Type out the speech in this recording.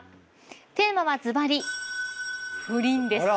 テーマはずばり不倫です。